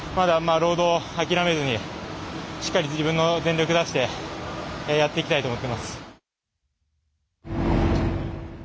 ロード諦めずにしっかり自分の全力出してやっていきたいと思っています。